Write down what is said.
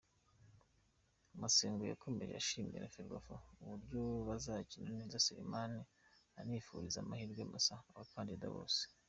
Mosengo yakomeje ashimira Ferwafa uburyo bazakira neza Selemani, anifuriza amahirwe masa abakandida bose.